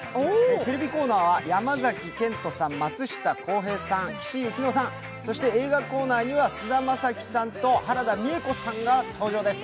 テレビコーナーは山崎賢人さん、松下洸平さん、岸井ゆきのさん、映画コーナーには菅田将暉さんと原田美枝子さんが登場です。